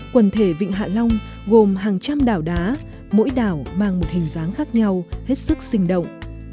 quần thể vịnh hạ long gồm hàng trăm đảo đá mỗi đảo mang một hình dáng khác nhau hết sức sinh động